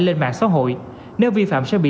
lên mạng xã hội nếu vi phạm sẽ bị